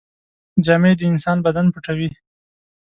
جامې د انسان بدن پټوي.